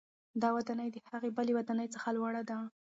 دا ودانۍ د هغې بلې ودانۍ څخه لوړه ده.